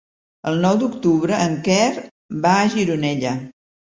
El nou d'octubre en Quer va a Gironella.